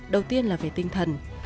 đầu tiên là về tinh thần